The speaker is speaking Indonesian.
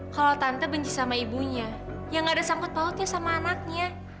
kalau tante benci sama ibunya ya nggak ada sangkut pautnya sama anaknya